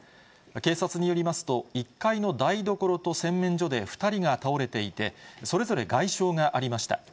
警察によりますと、１階の台所と洗面所で、２人が倒れていて、それぞれ外傷がありました。